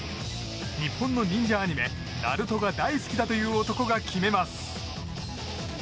日本の忍者アニメ「ＮＡＲＵＴＯ‐ナルト‐」が大好きだという男が決めます。